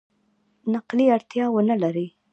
نقلي اړتیا ونه لري.